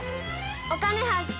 「お金発見」。